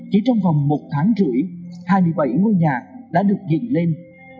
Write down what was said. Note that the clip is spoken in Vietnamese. chỉ trong vòng một tháng rưỡi hai mươi bảy ngôi nhà đã được dựng lên